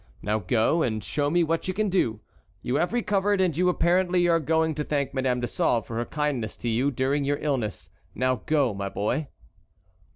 Now go, and show me what you can do. You have recovered, and you apparently are going to thank Madame de Sauve for her kindness to you during your illness. Now go, my boy."